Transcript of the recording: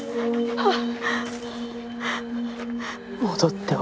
あっ！